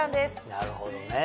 なるほどね。